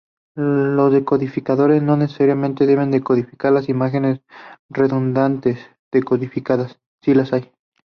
Los decodificadores no necesariamente deben decodificar las imágenes redundantes codificadas, si las hay.